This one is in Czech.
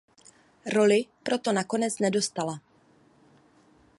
Roli proto nakonec nedostala.